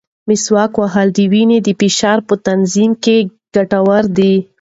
مسواک وهل د وینې د فشار په تنظیم کې ګټور دی.